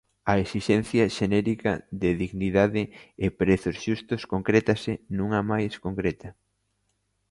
A esixencia xenérica de dignidade e prezos xustos concrétase nunha máis concreta.